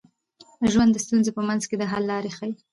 ژوند د ستونزو په منځ کي د حل لارې ښيي.